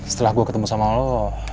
setelah gue ketemu sama lo